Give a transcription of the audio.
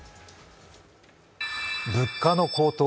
物価の高騰